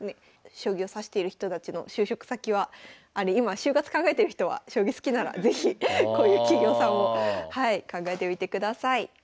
将棋を指している人たちの就職先は今就活考えてる人は将棋好きなら是非こういう企業さんを考えてみてください。